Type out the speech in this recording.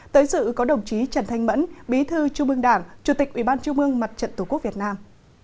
tới dự có đồng chí trần thanh mẫn bí thư trung ương đảng chủ tịch ủy ban trung mương mặt trận tổ quốc việt nam